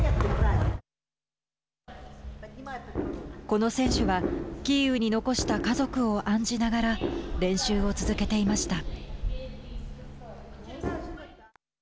この選手はキーウに残した家族を案じながら練習を続けていました。